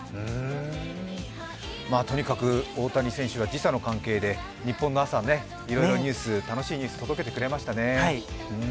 とにかく大谷選手が時差の関係で、ニッポンの朝、いろいろ楽しいニュース、届けてくれましたね。